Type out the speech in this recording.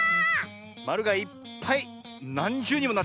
まるがいっぱいなんじゅうにもなってるねえ。